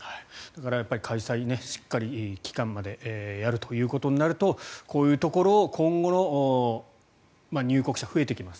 開催はしっかり期間までやるということになるとこういうところを今後の入国者が増えてきます。